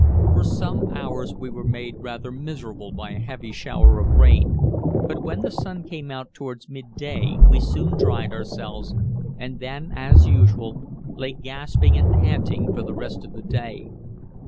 For some hours we were made rather miserable by a heavy shower of rain, but when the sun came out towards midday we soon dried ourselves, and then, as usual, lay gasping and panting for the rest of the day.